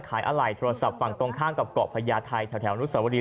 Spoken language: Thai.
อะไหล่โทรศัพท์ฝั่งตรงข้ามกับเกาะพญาไทยแถวอนุสวรี